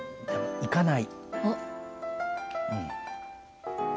行かない。